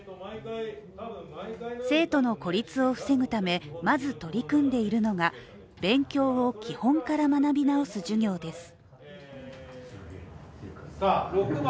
生徒の孤立を防ぐためまず取り組んでいるのが、勉強を基本から学び直す授業です。